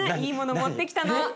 いいもの持ってきたの。